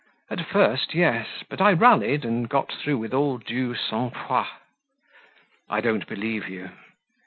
"At first, yes; but I rallied and got through with all due sang froid." "I don't believe you."